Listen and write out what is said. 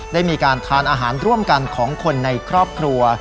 ได้มีการทานอาหารร่วมกันของคนในครอบครัว